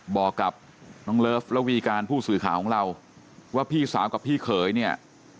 บอกกับน้องเลิฟระวีการผู้สื่อข่าวของเราว่าพี่สาวกับพี่เขยเนี่ย